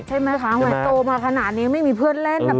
คะเหมือนโตมาขนานนี้ไม่มีเพื่อนเล่นน่ะเป๊า